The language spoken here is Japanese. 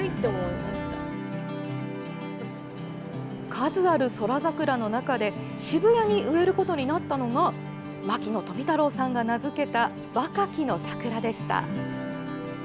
数ある宇宙桜の中で渋谷に植えることになったのが牧野富太郎さんが名付けたワカキノサクラでした。